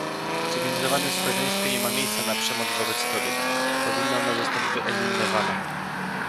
W cywilizowanym społeczeństwie nie ma miejsca na przemoc wobec kobiet, powinna ona zostać wyeliminowana